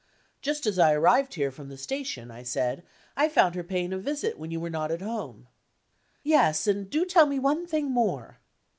"Just as I arrived here from the station," I said, "I found her paying a visit when you were not at home." "Yes and do tell me one thing more."